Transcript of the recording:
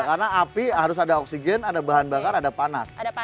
karena api harus ada oksigen ada bahan bakar ada panas